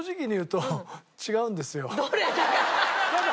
どれ？